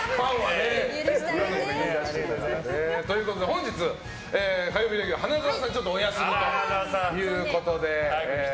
本日、火曜日レギュラー花澤さんはお休みということで。